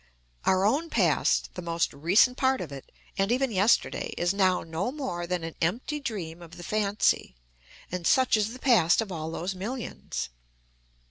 Our own past, the most recent part of it, and even yesterday, is now no more than an empty dream of the fancy, and such is the past of all those millions.